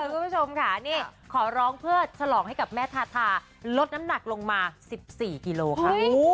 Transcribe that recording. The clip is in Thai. คุณผู้ชมค่ะนี่ขอร้องเพื่อฉลองให้กับแม่ทาทาลดน้ำหนักลงมา๑๔กิโลค่ะ